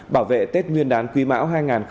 bảo vệ tết nguyên đán quy mão hai nghìn hai mươi ba